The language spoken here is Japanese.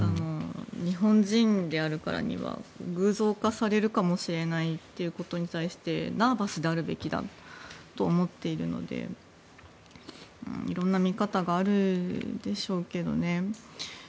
日本人であるからには偶像化されるかもしれないということに対してナーバスであるべきだと思っているので色んな見方があるでしょうけどね。